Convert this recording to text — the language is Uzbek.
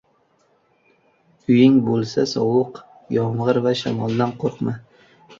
• Uying bo‘lsa — sovuq, yomg‘ir va shamoldan qo‘rqma;